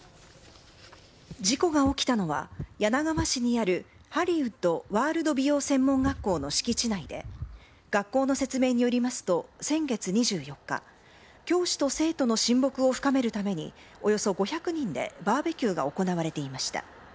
事故が起きたのは柳川市にあるハリウッドワールド美容専門学校の敷地内で学校の説明によりますと先月２４日教師と生徒の親睦を深めるためにおよそ５００人でバーベキューが行われていました。